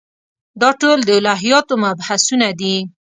دا ټول د الهیاتو مبحثونه دي.